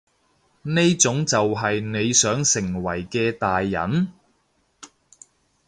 呢種就係你想成為嘅大人？